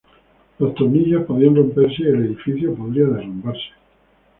Los tornillos podrían romperse y el edificio podría derrumbarse.